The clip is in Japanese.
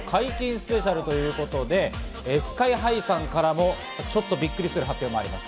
スペシャルということでＳＫＹ−ＨＩさんからのちょっとびっくりする発表もあります。